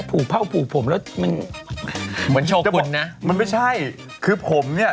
เผ่าผูกผมแล้วมันเหมือนโชคบุญนะมันไม่ใช่คือผมเนี้ย